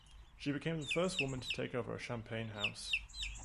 She became the first woman to take over a Champagne house.